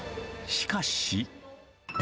しかし。